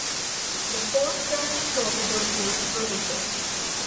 The four stern torpedo tubes were retained.